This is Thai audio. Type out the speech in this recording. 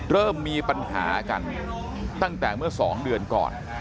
เริ่มมีปัญหากันตั้งแต่เมื่อ๒เดือนก่อน